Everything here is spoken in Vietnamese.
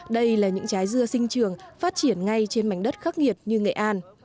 đây là những trái dưa sinh trường phát triển ngay trên mảnh đất khắc nghiệt như nghệ an